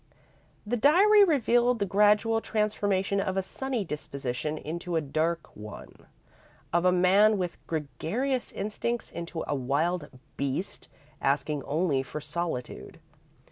The diary revealed the gradual transformation of a sunny disposition into a dark one, of a man with gregarious instincts into a wild beast asking only for solitude.